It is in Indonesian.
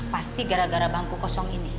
pasti gara gara bangku kosong ini